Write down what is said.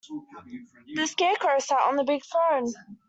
The Scarecrow sat on the big throne.